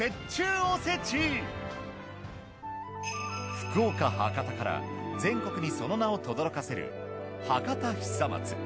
福岡博多から全国にその名をとどろかせる。